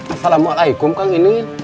assalamualaikum kang ini